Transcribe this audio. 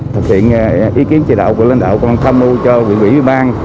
thực hiện ý kiến chỉ đạo của lãnh đạo còn tham mưu cho vị ủy ban